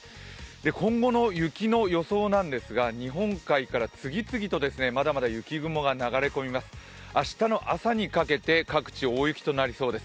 今後の雪の予想なんですが日本海から次々とまだまだ雪雲が流れ込みます。